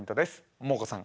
モモコさん